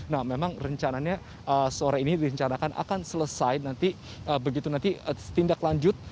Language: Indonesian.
nah memang rencananya sore ini direncanakan akan selesai nanti begitu nanti tindak lanjut